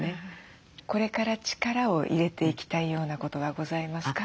これから力を入れていきたいようなことはございますか？